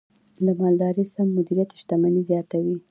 د مالدارۍ سم مدیریت شتمني زیاتوي.